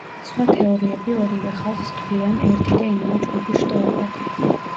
სხვა თეორიები ორივე ხალხს თვლიან ერთი და იმავე ჯგუფის შტოებად.